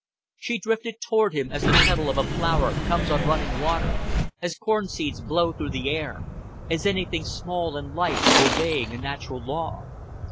She drifted toward him as the petal of a flower comes on running water, as corn seeds blow through the air, as anything small and light obeying a natural law.